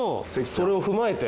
それを踏まえて。